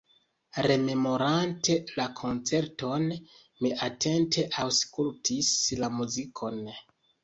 Rememorante la koncerton, mi atente aŭskultis la muzikon.